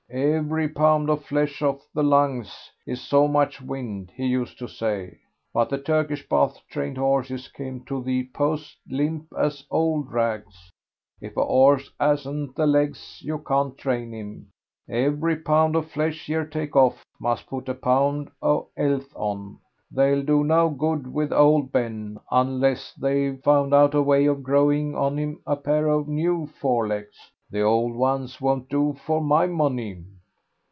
Every pound of flesh off the lungs is so much wind, he used to say. But the Turkish bath trained horses came to the post limp as old rags. If a 'orse 'asn't the legs you can't train him. Every pound of flesh yer take off must put a pound 'o 'ealth on. They'll do no good with old Ben, unless they've found out a way of growing on him a pair of new forelegs. The old ones won't do for my money."